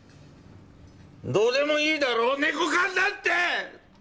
どうでもいいだろ猫缶なんて！